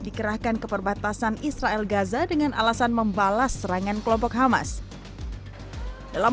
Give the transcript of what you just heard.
dikerahkan ke perbatasan israel gaza dengan alasan membalas serangan kelompok hamas dalam